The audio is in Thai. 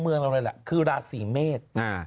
เรื่องเรื่องอะไรแหละคือราศีเมฆ